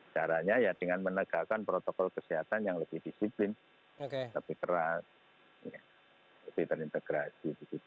caranya ya dengan menegakkan protokol kesehatan yang lebih disiplin lebih keras lebih terintegrasi